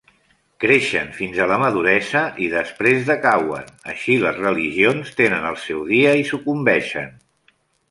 Creixen fins a la maduresa i després decauen; Així les religions tenen el seu dia i sucumbeixen.